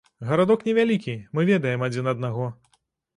Гарадок невялікі, мы ведаем адзін аднаго.